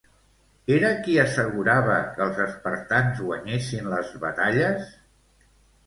Era qui assegurava que els espartans guanyessin les batalles?